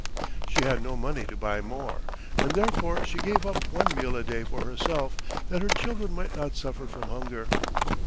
She had no money to buy more, and therefore she gave up one meal a day for herself, that her children might not suffer from hunger.